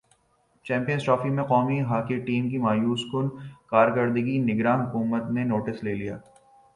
champions trophy میں قومی hockey team کی مایوس کن کارکردگی نگران حکومت نے نوٹس لے لیا